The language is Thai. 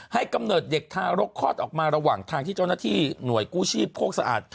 กำเนิดเด็กทารกคลอดออกมาระหว่างทางที่เจ้าหน้าที่หน่วยกู้ชีพโคกสะอาด